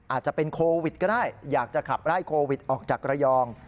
อาจจะเป็นโควิดก็ได้อยากจะขับไล่โควิดออกจากระยอง